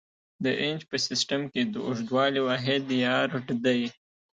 د انچ په سیسټم کې د اوږدوالي واحد یارډ دی.